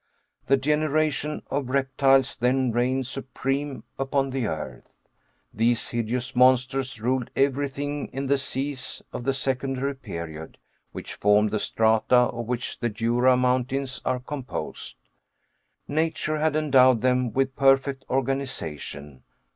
The generation of reptiles then reigned supreme upon the earth. These hideous monsters ruled everything in the seas of the secondary period, which formed the strata of which the Jura mountains are composed. Nature had endowed them with perfect organization.